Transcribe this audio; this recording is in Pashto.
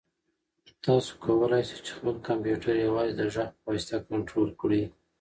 تاسو کولای شئ چې خپل کمپیوټر یوازې د غږ په واسطه کنټرول کړئ.